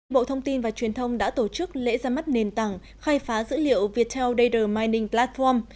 bộ thông tin và truyền thông đã tổ chức lễ ra mắt nền tảng khai phá dữ liệu viettel data mining platform